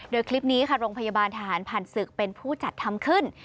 โดยคลิปนี้ค่ะโรงพยาบาลทหารผ่านศึกเป็นผู้จัดทำขึ้น